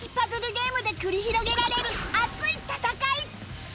ゲームで繰り広げられる熱い戦い！